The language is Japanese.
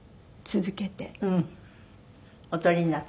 お撮りになって？